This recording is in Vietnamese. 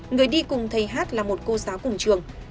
người đi cùng thầy hát là một cô giáo cùng trường